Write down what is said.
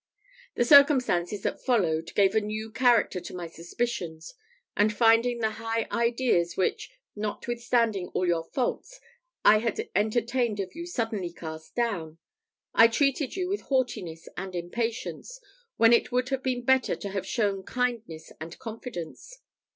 The circumstances that followed gave a new character to my suspicions; and finding the high ideas which, notwithstanding all your faults, I had entertained of you suddenly cast down, I treated you with haughtiness and impatience, when it would have been better to have shown kindness and confidence.